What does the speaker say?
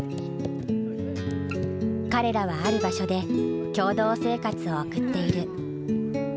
彼らはある場所で共同生活を送っている。